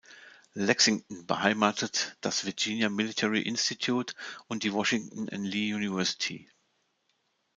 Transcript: Lexington beheimatet das Virginia Military Institute und die Washington and Lee University.